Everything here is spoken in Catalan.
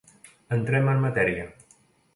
Entrem en matèria.